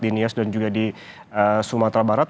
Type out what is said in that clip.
di nias dan juga di sumatera barat